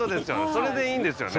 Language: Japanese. それでいいんですよね。